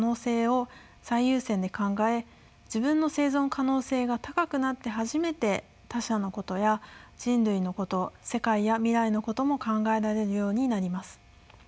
自分の生存可能性が高くなって初めて他者のことや人類のこと世界や未来のことも考えられるようになります。